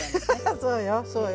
そうよ。